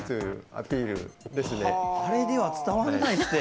あれでは伝わんないって。